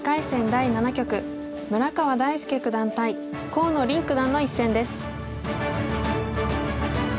第７局村川大介九段対河野臨九段の一戦です。